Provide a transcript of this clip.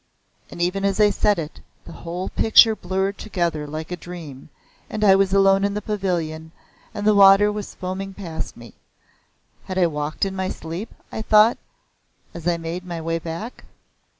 And even as I said it the whole picture blurred together like a dream, and I was alone in the pavilion and the water was foaming past me. Had I walked in my sleep, I thought, as I made my way hack?